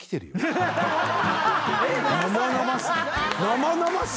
生々しい！